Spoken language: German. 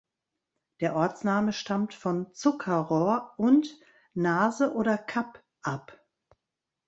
Der Ortsname stammt von "(Zuckerrohr)" und "(Nase oder Kap)" ab.